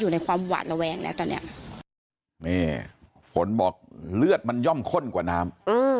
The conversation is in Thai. นี่ฝนบอกเลือดมันย่อมข้นกว่าน้ำ